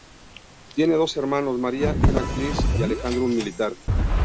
Tiene dos hermanos: María, una actriz, y Alejandro, un militar.